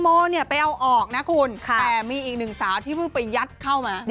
ไม่ใช่คุณแม่ขอ